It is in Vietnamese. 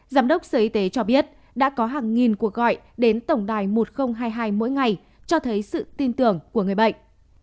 giám đốc sở y tế cho biết đã có hàng nghìn cuộc gọi đến tổng đài một nghìn hai mươi hai mỗi ngày cho thấy sự tin tưởng của người bệnh